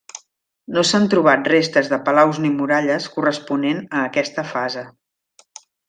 No s'han trobat restes de palaus ni muralles corresponent a aquesta fase.